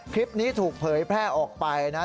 คลิปนี้ถูกเผยแพร่ออกไปนะ